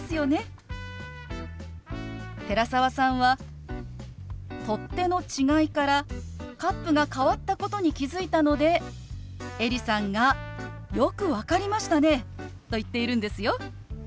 寺澤さんは取っ手の違いからカップが変わったことに気付いたのでエリさんが「よく分かりましたね！」と言っているんですよ。